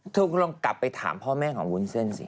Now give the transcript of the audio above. เธอก็ลองกลับไปถามพ่อแม่ของวุ้นเส้นสิ